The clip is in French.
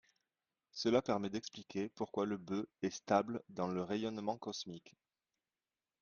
Cela permet d'expliquer pourquoi le Be est stable dans le rayonnement cosmique.